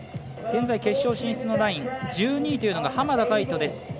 現在、決勝進出のライン１２位というのが浜田海人です。